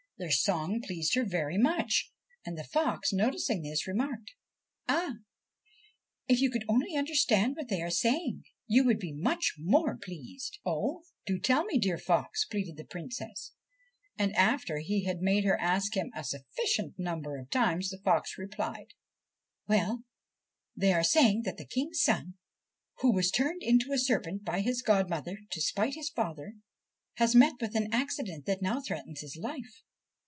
Their song pleased her very much, and the fox, noticing this, remarked :' Ah, if you could only understand what they are saying you would be much more pleased.' ' Oh, do tell me, dear fox,' pleaded the Princess ; and, after he had made her ask him a sufficient number of times, the fox replied :' Well, they are saying that the King's son, who was turned into a serpent by his godmother to spite his father, has met with an accident that now threatens his life.